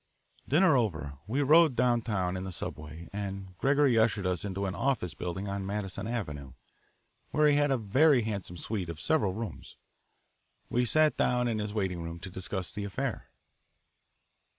Dinner over, we rode down town in the subway, and Gregory ushered us into an office building on Madison Avenue, where he had a very handsome suite of several rooms. We sat own in his waiting room to discuss the affair.